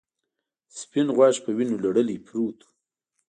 سپین غوږ په وینو لړلی پروت و.